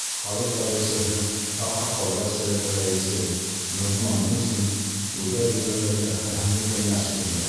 Халыҡ яҙыусыһы, аҡһаҡалдар советы рәйесе Ноғман Мусин уйлай белгәндәргә фәһемле кәңәш бирҙе.